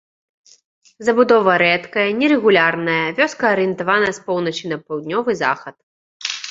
Забудова рэдкая, нерэгулярная, вёска арыентавана з поўначы на паўднёвы захад.